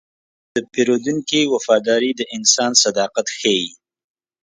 د پیرودونکي وفاداري د انسان صداقت ښيي.